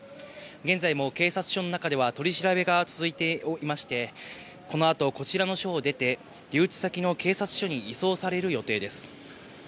現在も警察署の中では取り調べが続いていまして、このあと、こちらの署を出て、留置所の警察署に移送される予定です。